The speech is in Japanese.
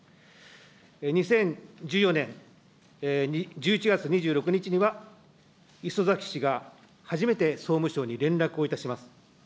２０１４年１１月２６日には、礒崎氏が初めて総務省に連絡をいたします。